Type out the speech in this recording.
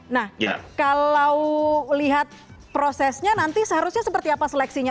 nah kalau lihat prosesnya nanti seharusnya seperti apa seleksinya